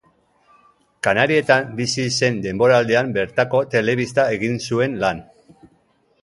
Kanarietan bizi zen denboraldian bertako telebistan egin zuen lan.